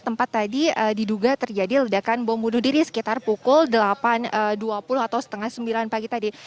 tempat tadi diduga terjadi ledakan bom bunuh diri sekitar pukul delapan dua puluh atau setengah sembilan pagi tadi